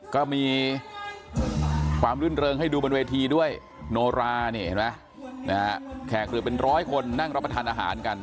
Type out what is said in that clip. ก็มีความรื่นเริงให้ดูบนเวทีด้วยโนรานี่เห็นไหมแขกเหลือเป็นร้อยคนนั่งรับประทานอาหารกัน